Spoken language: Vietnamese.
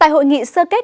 hội nghị sơ kết